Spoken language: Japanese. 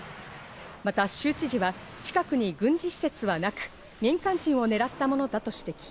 また州知事は近くに軍事施設はなく、民間人を狙ったものだと指摘。